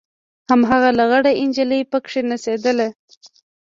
هماغه لغړه نجلۍ پکښې نڅېدله.